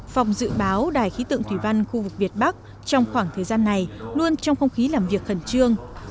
phòng dự báo đài khí tượng thủy văn khu vực việt bắc trong khoảng thời gian này luôn trong không khí làm việc khẩn trương